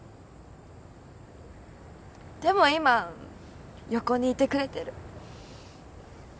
でも今横にいてくれてる。